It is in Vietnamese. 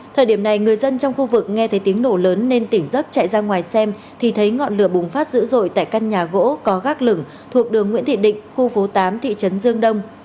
thời điểm này người dân trong khu vực nghe thấy tiếng nổ lớn nên tỉnh dấp chạy ra ngoài xem thì thấy ngọn lửa bùng phát dữ dội tại căn nhà gỗ có gác lửng thuộc đường nguyễn thị định khu phố tám thị trấn dương đông